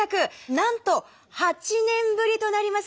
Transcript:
なんと８年ぶりとなります。